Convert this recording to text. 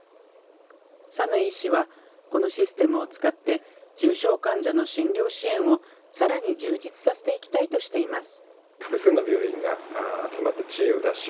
讃井医師はこのシステムを使って重症患者の診療支援をさらに充実させていきたいとしています。